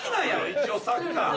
一応サッカー。